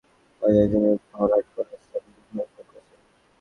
নদীর তলদেশের বালু তোলায় বাজারের জন্য ভরাট করা স্থানটি ধসে পড়ছে।